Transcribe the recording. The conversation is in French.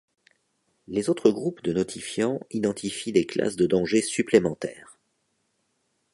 Les autres groupes de notifiants identifient des classes de dangers supplémentaires.